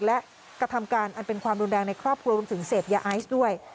และกระทำการอันเป็นความรุนแรงในครอบครัวรวมถึงเสพยาไอซ์ด้วย